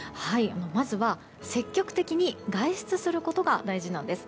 まずは積極的に外出することが大事なんです。